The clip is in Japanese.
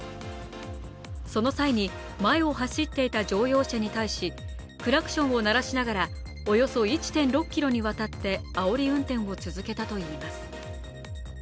その際に前を走っていた乗用車に対しクラクションを鳴らしながらおよそ１．６ｋｍにわたってあおり運転を続けたといいます。